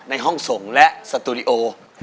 ในห้องส่งและสตูดิโอ